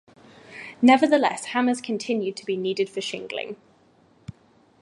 Nevertheless, hammers continued to be needed for shingling.